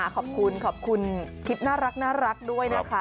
ขอบคุณขอบคุณคลิปน่ารักด้วยนะคะ